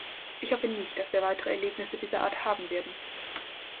Ich hoffe nicht, dass wir weitere Erlebnisse dieser Art haben werden.